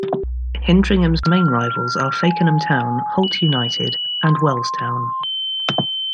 Hindringham's main rivals are Fakenham Town, Holt United and Wells Town.